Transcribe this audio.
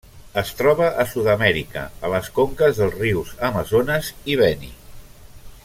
Es troba a Sud-amèrica, a les conques dels rius Amazones i Beni.